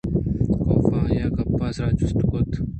کافءَ آئیءِ گپ ءِ سرا جست کُت